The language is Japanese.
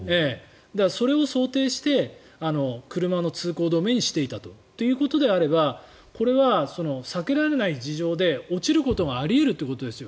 それを想定して車の通行止めにしていたということであればこれは避けられない事情で落ちることがあり得るということですよ。